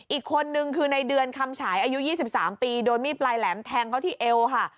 อีกคนนึงคือในเดือนคำฉายอายุ๒๓ปีโดนมีดปลายแหลมแทงเขาที่เอวค่ะ